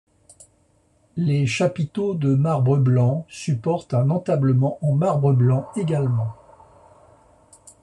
Les chapiteaux de marbre blanc supportent un entablement en marbre blanc également.